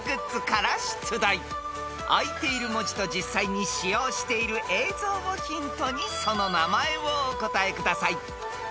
［あいている文字と実際に使用している映像をヒントにその名前をお答えください］